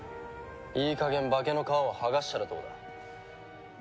いい加減化けの皮を剥がしたらどうだ？